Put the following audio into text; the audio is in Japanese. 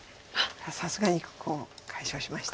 さすがにコウを解消しました。